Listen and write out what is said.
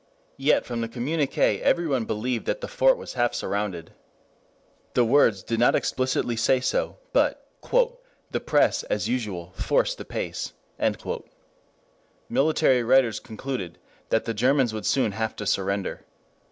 Yet from the communiqué everyone believed that the fort was half surrounded. The words did not explicitly say so, but "the press, as usual, forced the pace." Military writers concluded that the Germans would soon have to surrender.